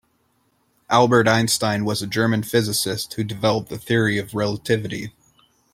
Albert Einstein was a German physicist who developed the Theory of Relativity.